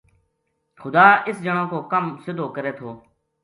خدا اِس جنا کو کم سدھو کرے تھو